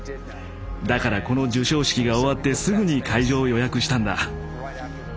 だからこの授賞式が終わってすぐに会場を予約したんだ。